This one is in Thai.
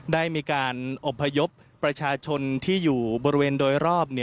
ได้มีการอบพยพประชาชนที่อยู่บริเวณโดยรอบ